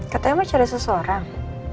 katanya mau cari seseorang